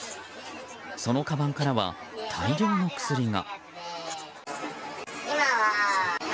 そのかばんからは、大量の薬が。